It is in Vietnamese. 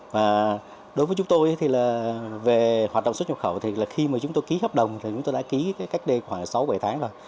và đối với chúng tôi thì là về hoạt động xuất nhập khẩu thì là khi mà chúng tôi ký hợp đồng thì chúng tôi đã ký cách đây khoảng sáu bảy tháng rồi